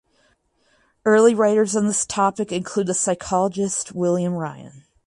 Early writers on this topic include the psychologist William Ryan.